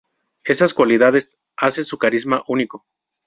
Esas cualidades hacen su carisma único.